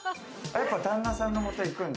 やっぱり旦那さんのもとに行くんだ。